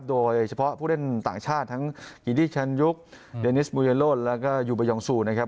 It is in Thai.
โดยเฉพาะผู้เล่นต่างชาติทั้งอิดี้แชนยุคเดนิสมูเยโลแล้วก็ยูบายองซูนะครับ